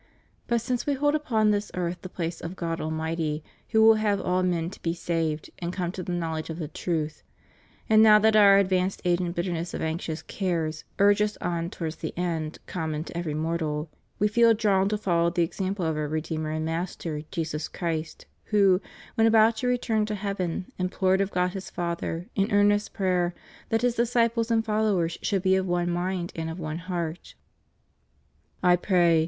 But since We hold upon this earth the place of God Almighty, who will have all men to be saved and to come to the knowledge of the truth, and now that Our advanced age and the bitterness of anxious cares urge Us on towards the end common to every mortal, We feel drawn to follow the example of Our Redeemer and Master, Jesus Christ, who, when about to return to heaven, implored of God, His Father, in earnest prayer, that His disciples and fol fowers should be of one mind and of one heart: / pray